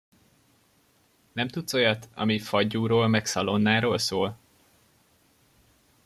Nem tudsz olyat, ami faggyúról meg szalonnáról szól?